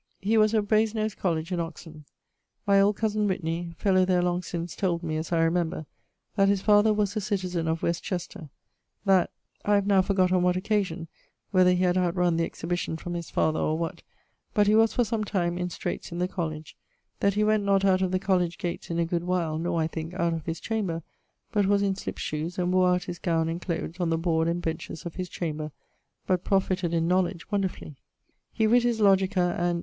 He was of Brasen nose College in Oxon. My old cosen Whitney[BD], fellow there long since, told me, as I remember, that his father was a citizen of W Chester; that (I have now forgot on what occasion, whether he had outrun the exhibition from his father, or what), but he was for some time in straightes in the College; that he went not out of the College gates in a good while, nor (I thinke) out of his chamber, but was in slip shoes, and wore out his gowne and cloathes on the bord and benches of his chamber, but profited in knowledge wonderfully. He writ his Logica, and